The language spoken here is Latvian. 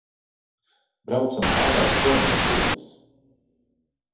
Braucam ātrāk prom no šejienes!